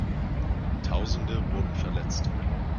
Tausende wurden verletzt.